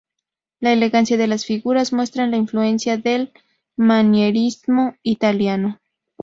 La elegancia de las figuras muestran la influencia del manierismo italiano.